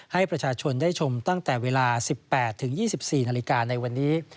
ให้ประชาชนได้ชมตั้งแต่เวลา๑๘๒๔นาฬิกาในวันนี้